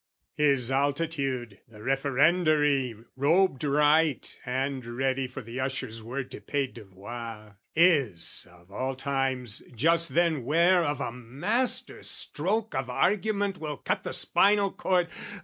His Altitude the Referendary, Robed right, and ready for the usher's word To pay devoir, is, of all times, just then 'Ware of a master stroke of argument Will cut the spinal cord...